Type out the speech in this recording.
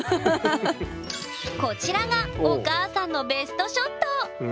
こちらがお母さんのベストショット